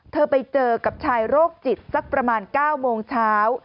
ไปเจอกับชายโรคจิตสักประมาณ๙โมงเช้า